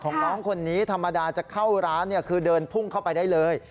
ของน้องคนนี้ธรรมดาจะเข้าร้านคือเดินพุ่งเข้าไปได้เลย